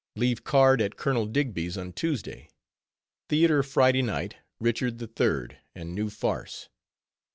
_ Leave card at Colonel Digby's on Tuesday. _Theatre Friday night—Richard III. and new farce.